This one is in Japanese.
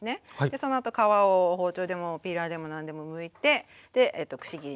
そのあと皮を包丁でもピーラーでも何でもむいてくし切りにしてあります。